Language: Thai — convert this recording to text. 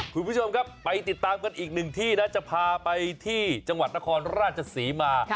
คุณผู้ชมครับไปติดตามกันอีกหนึ่งที่นะจะพาไปที่จังหวัดนครราชศรีมา